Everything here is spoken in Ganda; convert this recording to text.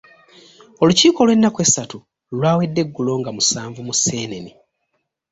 Olukiiko olw'ennaku essatu lwawedde eggulo nga musanvu Museenene.